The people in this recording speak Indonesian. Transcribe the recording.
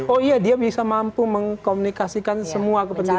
oh iya dia bisa mampu mengkomunikasikan semua kepentingan